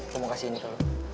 gue mau kasih ini ke lo